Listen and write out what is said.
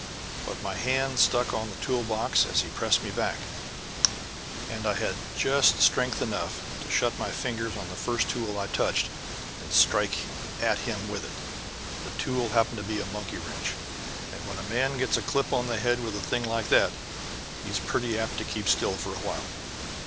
But my hand struck on the tool box as he pressed me back, and I had just strength enough left to shut my fingers on the first tool I touched and strike at him with it. The tool happened to be a monkey wrench, and when a man gets a clip on the head with a thing like that he's pretty apt to keep still for a while.